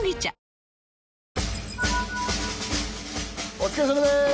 お疲れさまです！